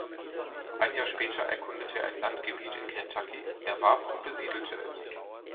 Ein Jahr später erkundete er ein Landgebiet in Kentucky, erwarb und besiedelte es.